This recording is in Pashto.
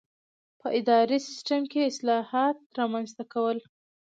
په اداري سیسټم کې اصلاحات رامنځته کول.